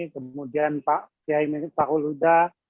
kemudian pak uluda